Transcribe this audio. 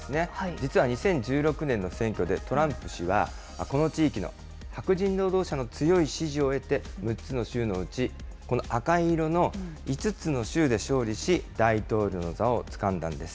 実は２０１６年の選挙で、トランプ氏は、この地域の白人労働者の強い支持を受けて、６つの州のうち、この赤い色の５つの州で勝利し、大統領の座をつかんだんです。